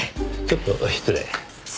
ちょっと失礼。